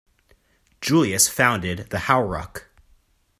Julius founded the HauRuck!